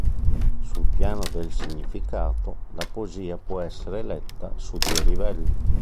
Sul piano del significato, la poesia può essere letta su due livelli.